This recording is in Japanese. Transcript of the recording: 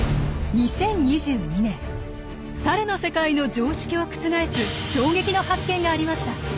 ２０２２年サルの世界の常識を覆す衝撃の発見がありました。